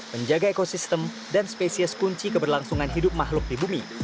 menjaga ekosistem dan spesies kunci keberlangsungan hidup makhluk di bumi